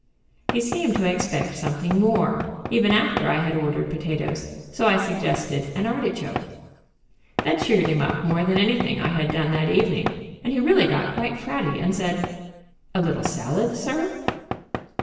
He seemed to expect something more, even after I had ordered potatoes, so I suggested an artichoke. That cheered him up more than anything I had done that evening, and he really got quite fratty and said: "A little salad, sir?"